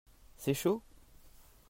C'est chaud ?